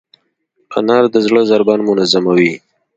انار د زړه ضربان منظموي.